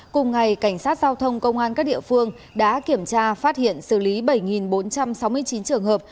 cùng ngày cảnh sát giao thông công an các địa phương đã kiểm tra phát hiện xử lý bảy bốn trăm sáu mươi chín trường hợp